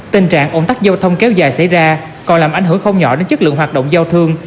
tình trạng ủng tắc giao thông kéo dài xảy ra còn làm ảnh hưởng không nhỏ đến chất lượng hoạt động giao thương